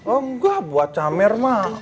enggak buat samer mak